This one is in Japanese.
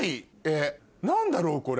何だろう？